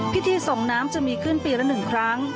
พิธีส่งน้ำจะมีขึ้นปีละ๑ครั้ง